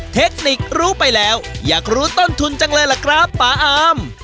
เทคนิครู้ไปแล้วอยากรู้ต้นทุนจังเลยล่ะครับป่าอาม